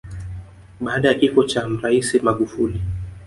Baada ya kifo cha Mraisi Magufuli